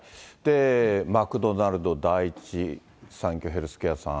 マクドナルド、第一三共ヘルスケアさん。